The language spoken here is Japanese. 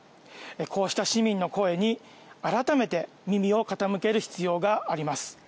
こうした市民の声に改めて耳を傾ける必要があります。